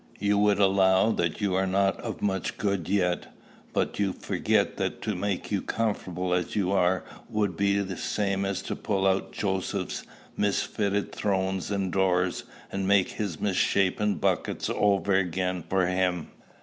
You would allow that you are not of much good yet; but you forget that to make you comfortable as you are would be the same as to pull out Joseph's misfitted thrones and doors, and make his misshapen buckets over again for him.